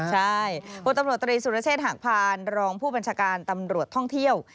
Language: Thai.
ใช่พลตำรวจตรีสุรเชษฐหักพานรองผู้บัญชาการตำรวจท่องเที่ยว